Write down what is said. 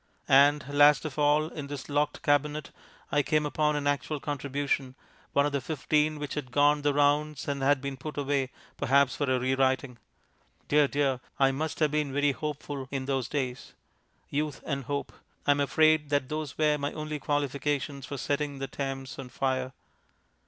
And last of all, in this locked cabinet I came upon an actual contribution, one of the fifteen which had gone the rounds and had been put away, perhaps for a re writing.... Dear, dear! I must have been very hopeful in those days. Youth and hope I am afraid that those were my only qualifications for setting the Thames on fire.